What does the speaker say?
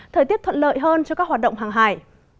thời tiết thuận lợi hơn cho các hoạt động hàng hải